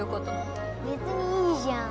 別にいいじゃん。